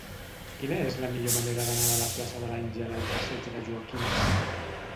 Quina és la millor manera d'anar de la plaça de l'Àngel al passeig de Joaquim Renart?